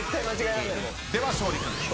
では勝利君。